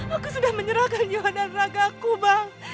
aku sudah menyerahkan jiwa dan raga aku bang